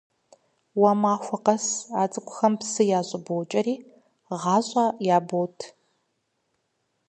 Уэ махуэ къэс а цӀыкӀухэм псы ящӀыбокӀэри, гъащӀэ ябот.